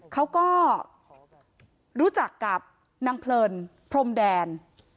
เขาก็รู้จักกับนางเพลินพรมแดน